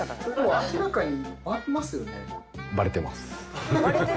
明らかにバレますよね？